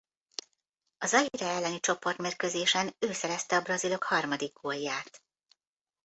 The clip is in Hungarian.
A Zaire elleni csoportmérkőzésen ő szerezte a brazilok harmadik gólját.